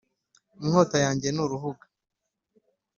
inkota yanjye ni uruhuga,